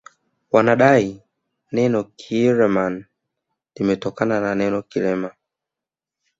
Wanadai kuwa neno kiileman limetokana na neno kileme